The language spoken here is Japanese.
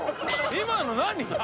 今の何？